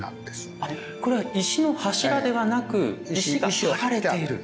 これは石の柱ではなく石が貼られている。